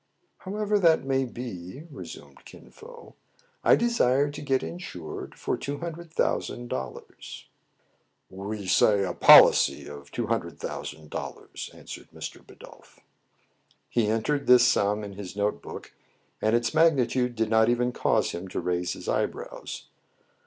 " However that may be," resumed ÏCin Fo, " I desire to get insured for two hundred thousand dollars." "We say a policy of two hundred thousand dollars," answered Mr. Bidulph. 62 TRIBULATIONS OF A CHINAMAN. He entered this sum in his note book, and its magnitude did not even cause him to raise his eyebrows.